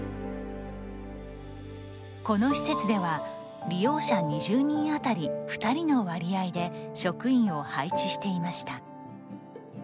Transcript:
この施設では利用者２０人当たり２人の割合で職員を配置していました。